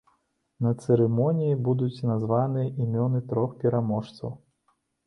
На цырымоніі будуць названыя імёны трох пераможцаў.